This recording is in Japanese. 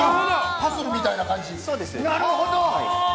パズルみたいな感じ？